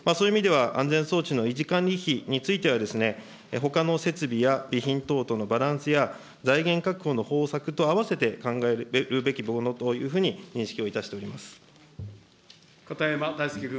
そういう意味では安全装置の維持管理費についてはほかの設備や備品等とのバランスや財源確保の方策とあわせて考えるべきものとい片山大介君。